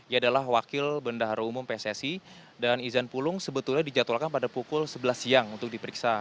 ia adalah wakil bendahara umum pssi dan izan pulung sebetulnya dijadwalkan pada pukul sebelas siang untuk diperiksa